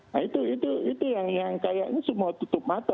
nah itu yang kayaknya semua tutup mata